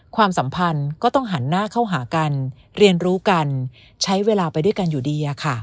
ความสัมพันธ์ก็ต้องหันหน้าเข้าหากันเรียนรู้กันใช้เวลาไปด้วยกันอยู่ดี